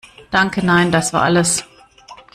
Danke nein, das war alles.